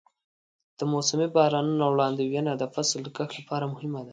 د موسمي بارانونو وړاندوینه د فصل د کښت لپاره مهمه ده.